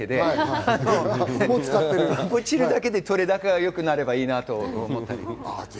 ポチるだけで撮れ高が良くなればいいなと思ったり。